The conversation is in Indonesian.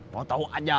mau tahu aja